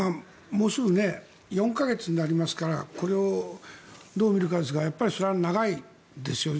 もうすぐ４か月になりますからこれをどう見るかですがそれは長いですよ。